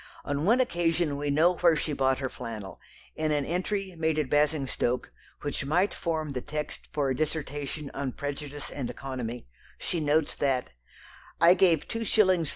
On one occasion we know where she bought her flannel. In an entry (made at Basingstoke) which might form the text for a dissertation on prejudice and economy, she notes that: "I gave 2_s.